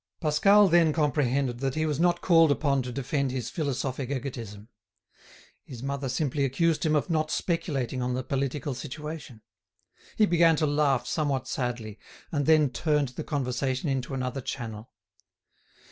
Pascal then comprehended that he was not called upon to defend his philosophic egotism. His mother simply accused him of not speculating on the political situation. He began to laugh somewhat sadly, and then turned the conversation into another channel.